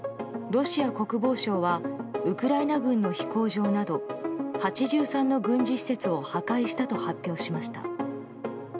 ロシア国防省はウクライナ軍の飛行場など８３の軍事施設を破壊したと発表しました。